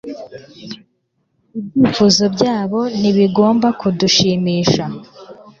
Ibyifuzo byabo ntibigomba kudushimisha